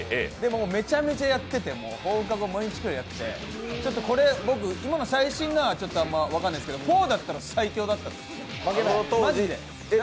めちゃめちゃやってて、放課後毎日プレーしてて、これ僕、今の最新のはあんまり分かんないですけど４だったら最強だったんです、マジで。